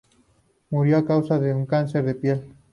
Murió a causa de un cáncer de piel.